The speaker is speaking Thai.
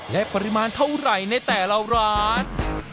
และปริมาณเท่าไหร่ในแต่ละร้าน